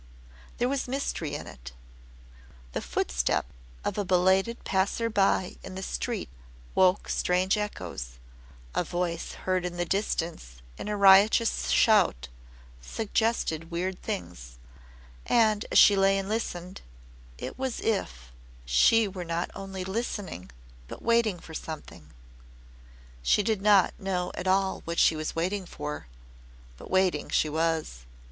There was mystery in it. The footstep of a belated passer by in the street woke strange echoes; a voice heard in the distance in a riotous shout suggested weird things. And as she lay and listened, it was as if she were not only listening but waiting for something. She did not know at all what she was waiting for, but waiting she was.